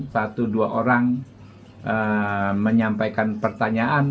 satu dua orang menyampaikan pertanyaan